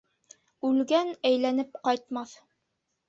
Үлгән әйләнеп ҡайтмаҫ.